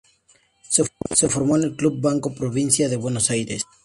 Se formó en el Club Banco Provincia de Buenos Aires.